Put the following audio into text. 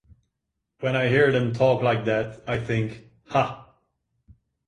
When I hear them talk like that I think, 'Ha.